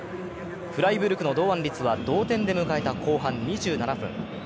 フライブルクの堂安律は、同点で迎えた後半２７分。